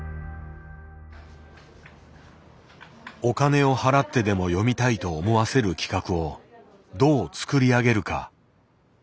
お金を払ってでも読みたいと思わせる企画をどう作り上げるか。